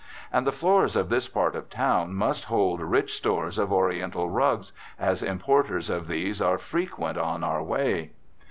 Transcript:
And the floors of this part of town must hold rich stores of Oriental rugs, as importers of these are frequent on our way.